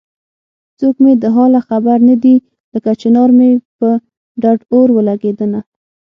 څوک مې د حاله خبر نه دی لکه چنار مې په ډډ اور ولګېدنه